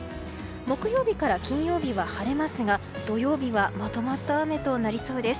木曜日から金曜日は晴れますが土曜日はまとまった雨となりそうです。